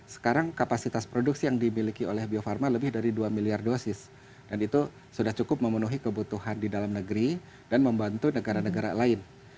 sekarang kapasitas produksi yang dimiliki oleh bio farma lebih dari dua miliar dosis dan itu sudah cukup memenuhi kebutuhan di dalam negeri dan membantu negara negara lain